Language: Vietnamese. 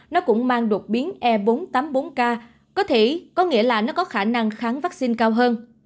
nó cũng mang đột biến e bốn trăm tám mươi bốn k có thể có nghĩa là nó có khả năng kháng vaccine cao hơn